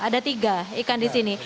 ada tiga ikan di sini